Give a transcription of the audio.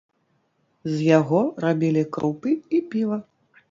З яго рабілі крупы і піва.